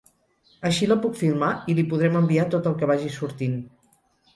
Així la puc filmar i li podrem enviar tot el que vagi sortint.